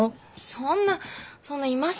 そんなそんな今更。